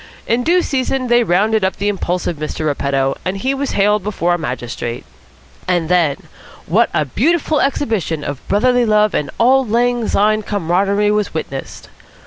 In due season they rounded up the impulsive Mr. Repetto, and he was haled before a magistrate. And then, what a beautiful exhibition of brotherly love and auld lang syne camaraderie was witnessed!